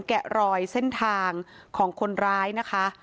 แกะรอยเส้นทางของคนร้ายนะคะ